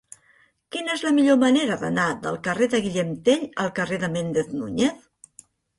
Quina és la millor manera d'anar del carrer de Guillem Tell al carrer de Méndez Núñez?